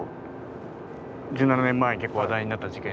１７年前に結構話題になった事件で。